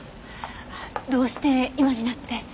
どうして今になって？